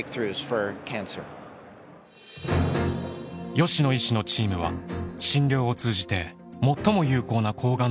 吉野医師のチームは診療を通じて最も有効な抗がん剤を分析。